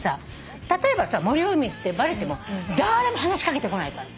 例えば森尾由美ってバレても誰も話し掛けてこないから。